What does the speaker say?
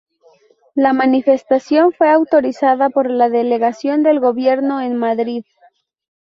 La manifestación fue autorizada por la Delegación del Gobierno en Madrid.